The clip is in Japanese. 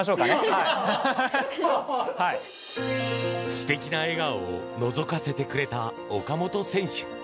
素敵な笑顔をのぞかせてくれた岡本選手。